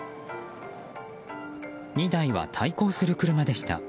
２台は対向する車でした。